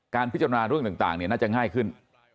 การพิจารณาเรื่องต่างเนี่ยน่าจะง่ายขึ้น